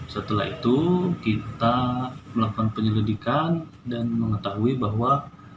setelah itu kita melakukan penyelidikan dan mengetahui bahwa